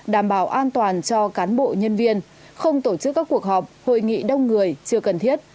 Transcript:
đảm bảo an toàn cho cán bộ nhân viên không tổ chức các cuộc họp hội nghị đông người chưa cần thiết